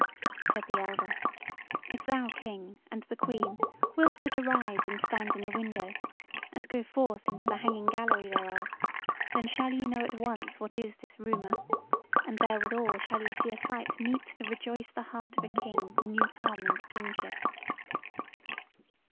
Said the elder: "If thou, King, and the Queen, wilt but arise and stand in the window, and go forth into the hanging gallery thereof, then shall ye know at once what is this rumour, and therewithal shall ye see a sight meet to rejoice the heart of a king new come into kingship."